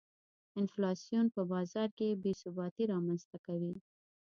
انفلاسیون په بازار کې بې ثباتي رامنځته کوي.